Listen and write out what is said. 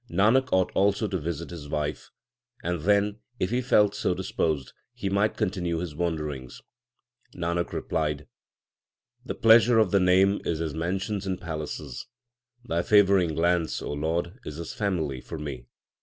Nanak ought also to visit his wife, and then, if he felt so disposed, he might continue his wanderings. Nanak replied : The pleasure of the Name is as mansions and palaces ; Thy favouring glance, Lord, is as family for me.